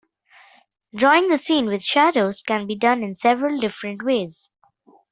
Drawing the scene with shadows can be done in several different ways.